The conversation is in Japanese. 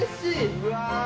うわ！